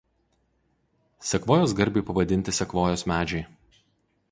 Sekvojos garbei pavadinti sekvojos medžiai.